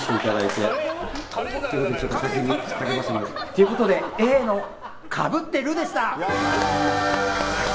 ということでＡのかぶってるでした。